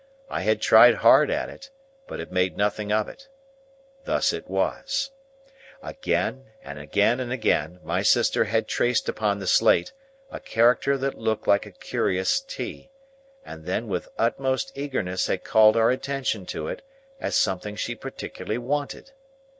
I had tried hard at it, but had made nothing of it. Thus it was:— Again and again and again, my sister had traced upon the slate, a character that looked like a curious T, and then with the utmost eagerness had called our attention to it as something she particularly wanted.